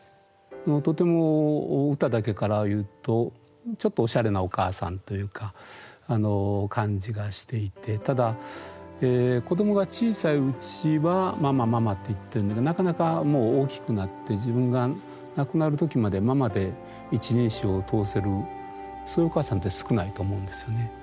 とても歌だけから言うとちょっとおしゃれなお母さんというかあの感じがしていてただ子どもが小さいうちは「ママママ」って言ってんだけどなかなかもう大きくなって自分が亡くなる時までママで一人称を通せるそういうお母さんって少ないと思うんですよね。